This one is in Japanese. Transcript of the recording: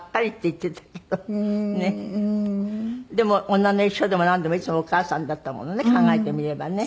でも『女の一生』でもなんでもいつもお母さんだったものね考えてみればね。